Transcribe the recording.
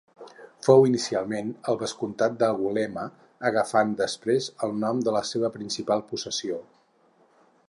Fou inicialment el vescomtat d'Angulema agafant després el nom de la seva principal possessió.